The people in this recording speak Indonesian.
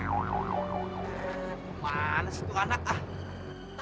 tadi ada dimarik perasaan ba be